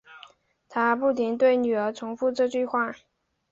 她不停对女儿重复这句话